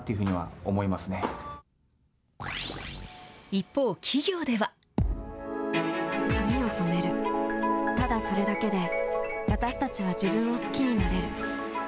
一方、企業では。髪を染める、ただそれだけで私たちは自分を好きになれる。